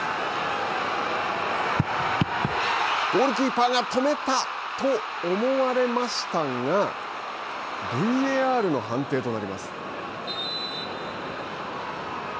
ゴールキーパーが止めたと思われましたがＶＡＲの判定となります。